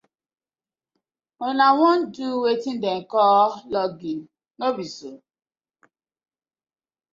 Una wan to do weten dem call logging, no bi so?